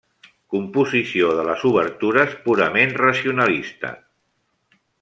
Composició de les obertures purament racionalista.